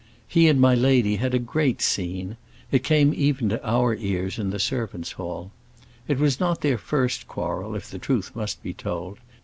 He and my lady had a great scene; it came even to our ears in the servants' hall. It was not their first quarrel, if the truth must be told.